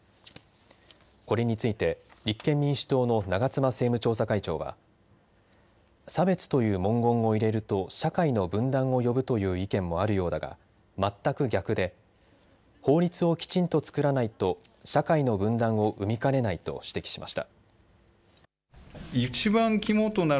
これについて立憲民主党の長妻政務調査会長は差別という文言を入れると社会の分断を呼ぶという意見もあるようだが全く逆で法律をきちんと作らないと社会の分断を生みかねないと指摘しました。